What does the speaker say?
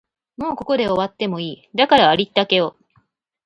もうここで終わってもいい、だからありったけを